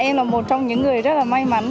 em là một trong những người rất là may mắn